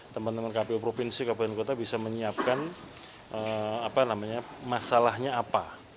teman teman kpu provinsi kabupaten kota bisa menyiapkan masalahnya apa